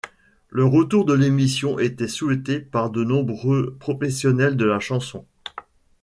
Le retour de l'émission était souhaité par de nombreux professionnels de la chanson.